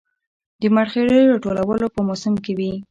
د مرخیړیو راټولول په موسم کې وي